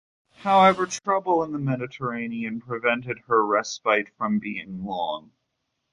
However, trouble in the Mediterranean prevented her respite from being long.